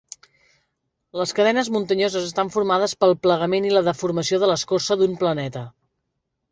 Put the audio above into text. Les cadenes muntanyoses estan formades pel plegament i la deformació de l'escorça d'un planeta.